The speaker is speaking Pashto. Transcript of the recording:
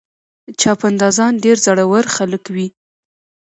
چاپندازان ډېر زړور خلک وي.